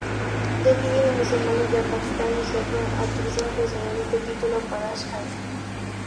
Dos líderes musulmanes de Afganistán y Hyderabad utilizaron personalmente el título Padshah-i-Ghazi.